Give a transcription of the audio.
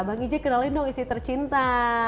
bang ijek kenalin dong isi tercinta